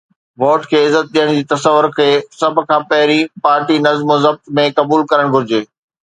Vote کي عزت ڏيڻ جي تصور کي سڀ کان پهرين پارٽي نظم و ضبط ۾ قبول ڪرڻ گهرجي.